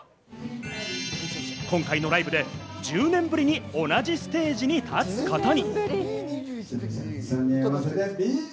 今回のライブで１０年ぶりに同じステージに立つことに。